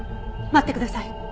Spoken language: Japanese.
待ってください！